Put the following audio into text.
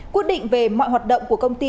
quyết định về mọi hoạt động của công ty